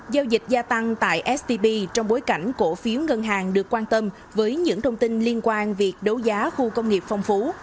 giao dịch gia tăng tại stb trong bối cảnh cổ phiếu ngân hàng được quan tâm với những thông tin liên quan việc đấu giá khu công nghiệp phong phú